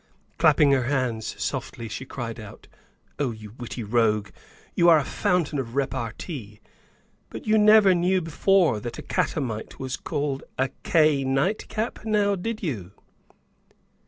Clapping her hands softly she cried out, "Oh you witty rogue, you are a fountain of repartee, but you never knew before that a catamite was called a k night cap, now did you?"